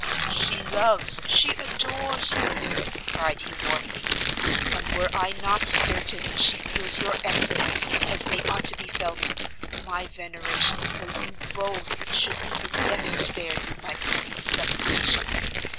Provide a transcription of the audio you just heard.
"She loves, she adores you!" cried he warmly; "and were I not certain she feels your excellencies as they ought to be felt, my veneration for you both should even yet spare you my present supplication.